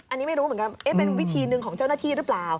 อันนี้ไม่รู้เหมือนกันเป็นวิธีหนึ่งของเจ้าหน้าที่หรือเปล่า